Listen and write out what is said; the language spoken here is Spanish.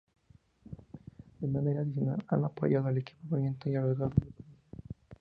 De manera adicional han apoyado el equipamiento y los gastos de operación.